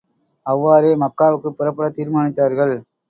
அவ்வாறே மக்காவுக்குப் புறப்படத் தீர்மானித்தார்கள்.